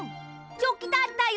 チョキだったよ！